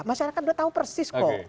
masyarakat sudah tahu persis kok